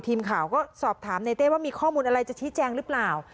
ทีมข่าวก็สอบถามในเต้ว่ามีข้อมูลอะไรจะชี้แจงหรือเปล่า